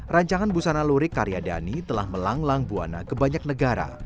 rancangan busana lurik karya dhani telah melanglang buana ke banyak negara